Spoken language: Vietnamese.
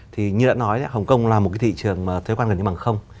thì như đã nói hồng kông là một cái thị trường thuế quan gần như bằng không